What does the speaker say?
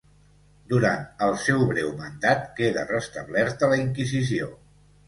Durant el seu breu mandat queda restablerta la Inquisició.